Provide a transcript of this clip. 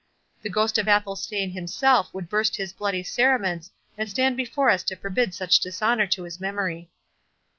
The ghost of Athelstane himself would burst his bloody cerements and stand before us to forbid such dishonour to his memory."